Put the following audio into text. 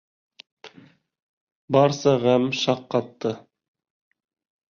Барса ғәм шаҡ ҡатты.